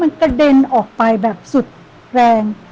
มันกระเด็นออกไปแบบสุดแรง